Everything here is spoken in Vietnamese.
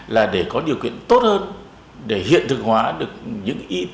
là để có điều kiện tốt hơn để hiện thực hóa được những ít